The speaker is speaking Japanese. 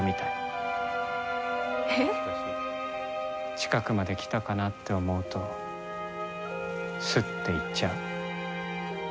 近くまで来たかなって思うと、スッて行っちゃう。